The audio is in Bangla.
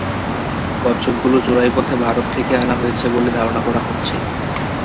কচ্ছপগুলো চোরাই পথে ভারত থেকে আনা হয়েছে বলে ধারণা করা হচ্ছে।